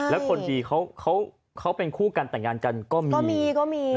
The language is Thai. แล้วคนดีเขาเป็นคู่กันแต่งงานกันก็มีก็มี